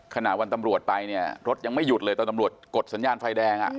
ขณะวันตำรวจไปเนี่ยรถยังไม่หยุดเลยตอนตำรวจกดสัญญาณไฟแดง